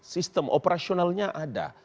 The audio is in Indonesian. sistem operasionalnya ada